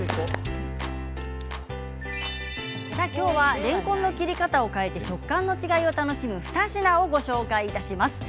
今日はれんこんの切り方を変えて食感の違いを楽しむ２品をご紹介いたします。